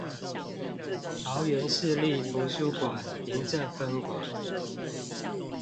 桃園市立圖書館平鎮分館